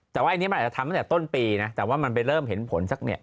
แต่ว่าอันนี้มันอาจจะทำตั้งแต่ต้นปีนะแต่ว่ามันไปเริ่มเห็นผลสักเนี่ย